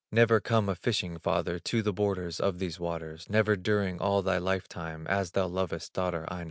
Never come a fishing, father, To the borders of these waters, Never during all thy life time, As thou lovest daughter Aino.